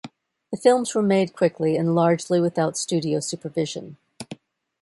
The films were made quickly and largely without studio supervision.